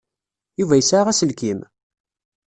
Yuba yesɛa aselkim?